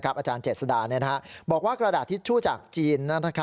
อาจารย์เจษดาบอกว่ากระดาษทิชชู่จากจีน